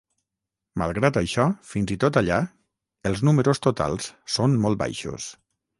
Malgrat això, fins i tot allà, els números totals són molt baixos.